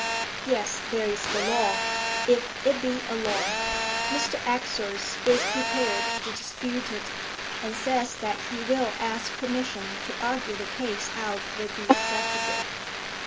"Yes, there is the law, if it be a law. Mr Exors is prepared to dispute it, and says that he will ask permission to argue the case out with the executive."